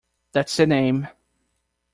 That's the name.